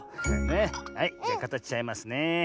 はいじゃかたしちゃいますねえ。